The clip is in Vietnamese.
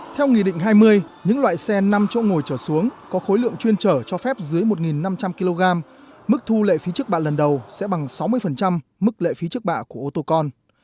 theo nghị định hai mươi những loại xe năm chỗ ngồi trở xuống có khối lượng chuyên trở cho phép dưới một năm trăm linh kg mức thu lệ phí trước bạ lần đầu sẽ bằng sáu mươi mức lệ phí trước bạ của ô tô con